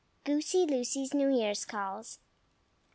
GOOSEY LUCY'S NEW YEAR'S CALLS.